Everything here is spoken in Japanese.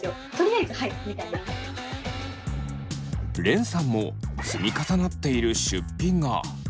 れんさんも積み重なっている出費が。